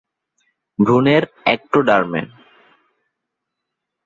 ভ্রূণের এক্টোডার্মে।